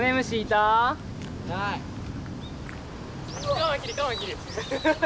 カマキリカマキリ。